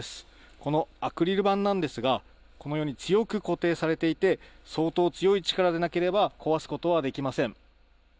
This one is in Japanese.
このアクリル板なんですが、このように強く固定されていて、相当強い力でなければ壊すことはできません。